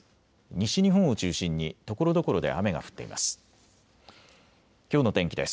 西日本を中心にところどころで雨が降っています。